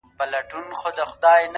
دغه سُر خالقه دغه تال کي کړې بدل؛